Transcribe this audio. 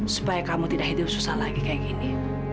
supaya kamu tidak hidup susah lagi kayak gini